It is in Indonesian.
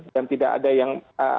dan tidak ada yang